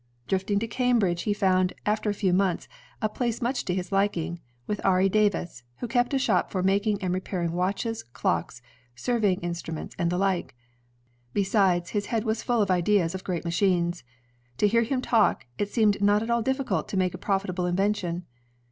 Drifting to Cambridge 124 INVENTIONS OF MANUFACTURE AND PRODUCTION he found, after a few months, a place much to his likmg, with Ari Davis, who kept a shop for making and repairing watches, clocks, surveying instrimients, and the like. Besides, his head was full of ideas of great machines. To hear him talk, it seemed not at all difficult to make a profitable invention.